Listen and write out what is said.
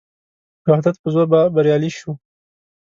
د وحدت په زور به بریالي شو.